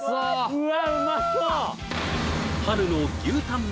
・うわうまそう・